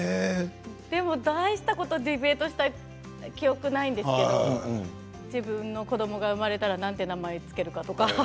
でも大したことディベートした記憶ないんですけど自分の子どもが生まれたらなんて名前を付けるかとか。